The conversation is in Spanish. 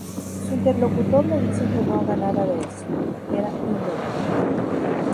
Su interlocutor le dice que no haga nada de eso, que era inútil.